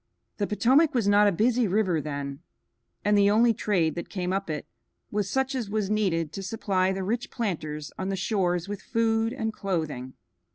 The Potomac was not a busy river then, and the only trade that came up it was such as was needed to supply the rich planters on the shores with food and clothing.